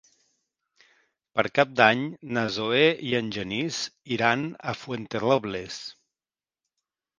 Per Cap d'Any na Zoè i en Genís iran a Fuenterrobles.